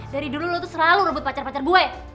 dari dulu lu itu selalu rebut pacar pacar gue